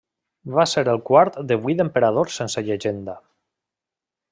Va ser el quart de vuit emperadors sense llegenda.